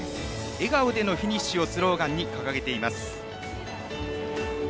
笑顔でのフィニッシュをスローガンに掲げています。